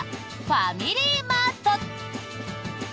ファミリーマート。